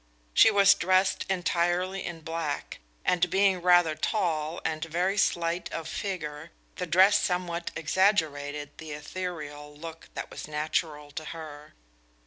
She was dressed entirely in black, and being rather tall and very slight of figure, the dress somewhat exaggerated the ethereal look that was natural to her.